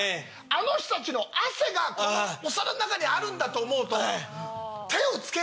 あの人たちの汗がこのお皿の中にあるんだと思うと。